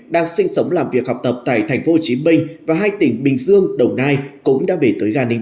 đang sinh sống làm việc học tập tại tp hcm và hai tỉnh bình dương đồng nai cũng đã về tới an ninh